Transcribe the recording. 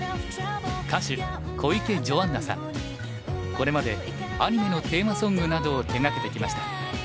これまでアニメのテーマソングなどを手がけてきました。